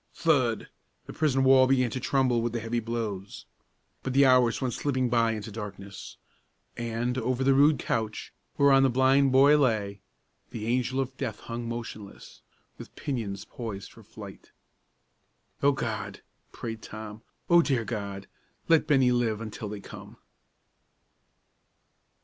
thud! the prison wall began to tremble with the heavy blows; but the hours went slipping by into the darkness, and, over the rude couch, whereon the blind boy lay, the angel of death hung motionless, with pinions poised for flight. "O God!" prayed Tom; "O dear God, let Bennie live until they come!"